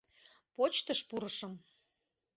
Почтыш пурышым.